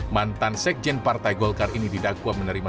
mantan sekjen partai golkar ini didakwa menerima